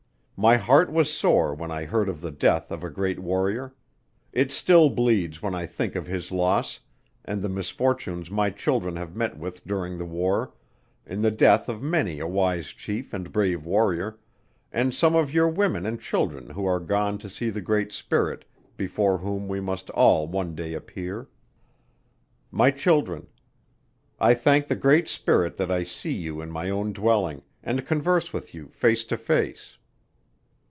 My heart was sore when I heard of the death of a great warrior. It still bleeds when I think of his loss, and the misfortunes my children have met with during the war, in the death of many a wise chief and brave warrior, and some of your women and children who are gone to see the Great Spirit, before whom we must all one day appear. "My Children. I thank the Great Spirit that I see you in my own dwelling, and converse with you face to face.